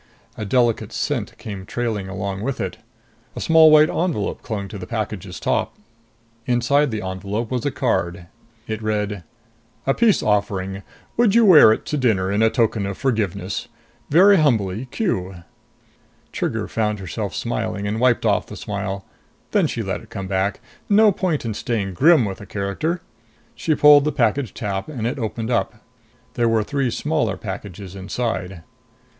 A delicate scent came trailing along with it. A small white envelope clung to the package's top. Inside the envelope was a card. It read: "A peace offering. Would you wear it to dinner in token of forgiveness? Very humbly, Q." Trigger found herself smiling and wiped off the smile. Then she let it come back. No point in staying grim with the character! She pulled the package tab and it opened up. There were three smaller packages inside.